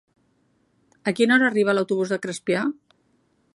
A quina hora arriba l'autobús de Crespià?